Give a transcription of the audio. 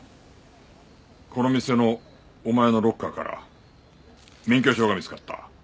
この店のお前のロッカーから免許証が見つかった。